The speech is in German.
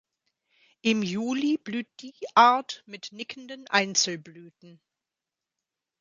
Im Juli blüht die Art mit nickenden Einzelblüten.